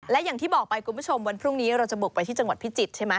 และอย่างที่บอกไปคุณผู้ชมวันพรุ่งนี้เราจะบุกไปที่จังหวัดพิจิตรใช่ไหม